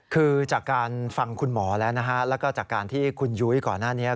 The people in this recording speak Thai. คือจากการฟังคุณหมอแล้วนะฮะแล้วก็จากการที่คุณยุ้ยก่อนหน้านี้